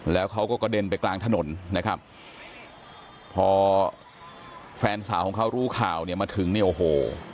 แล้วเขาก็กระเด็นไปกลางถนนนะครับพอแฟนสาวของเขารู้ข่าวเนี่ยมาถึงเนี่ยโอ้โห